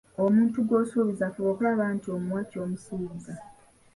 Omuntu gw’osuubiza fuba okulaba nti omuwa ky'omusuubizza.